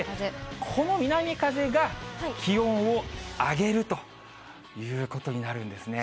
この南風が気温を上げるということになるんですね。